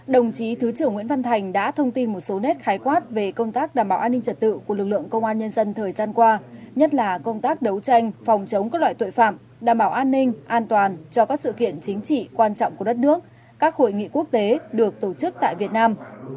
đồng chí thứ trưởng nguyễn văn thành đã thông tin một số nét khái quát về công tác đảm bảo an ninh trật tự của lực lượng công an nhân dân thời gian qua nhất là công tác đấu tranh phòng chống các loại tội phạm đảm bảo an ninh an toàn cho các sự kiện chính trị quan trọng của đất nước các hội nghị quốc tế được tổ chức tại việt nam